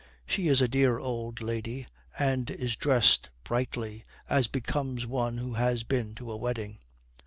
She is a dear old lady, and is dressed brightly, as becomes one who has been to a wedding.